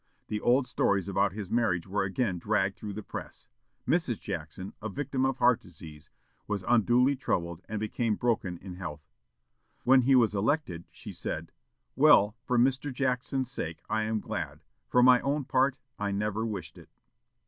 The old stories about his marriage were again dragged through the press. Mrs. Jackson, a victim of heart disease, was unduly troubled, and became broken in health. When he was elected, she said, "Well, for Mr. Jackson's sake, I am glad; for my own part, I never wished it."